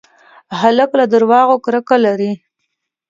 هلک له دروغو کرکه لري.